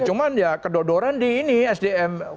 cuman ya kedodoran di ini sdm